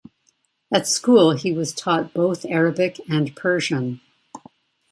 At school he was taught both Arabic and Persian.